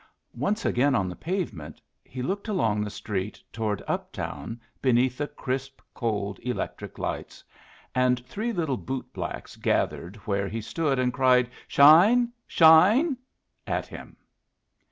Once again on the pavement, he looked along the street toward up town beneath the crisp, cold electric lights, and three little bootblacks gathered where he stood and cried "Shine? Shine?" at him.